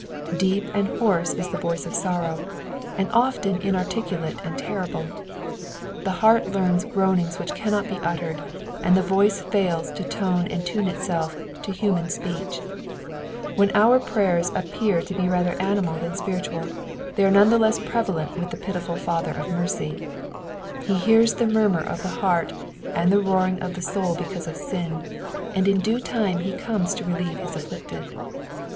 Deep and hoarse is the voiee of sorrow, and often inarticulate and terrible. The heart teams groanings which cannot be uttered, and the voice fails to tone and tune itself to human speech. When our prayers appear to be rather animal than spiritual, they are none the less prevalent with the pitiful Father of mercy. He hears the murmur of the heart and the roaring of the soul because of sin, and in due time he cornea to relieve his afflicted.